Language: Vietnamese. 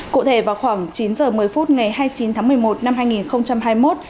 cụ thể vào khoảng chín giờ một mươi phút ngày hai mươi chín tháng một mươi một năm hai nghìn hai mươi một